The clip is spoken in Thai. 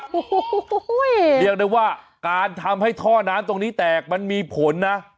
โอ้โหเรียกได้ว่าการทำให้ท่อน้ำตรงนี้แตกมันมีผลนะ